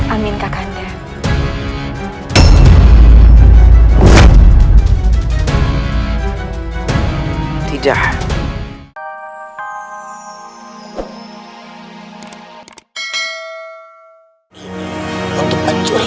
amin kak kandai